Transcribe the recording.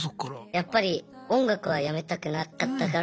やっぱり音楽はやめたくなかったから。